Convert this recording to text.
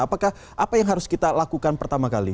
apakah apa yang harus kita lakukan pertama kali